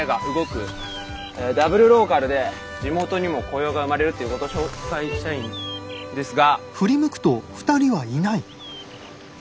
ダブルローカルで地元にも雇用が生まれるっていうこと紹介したいんですが。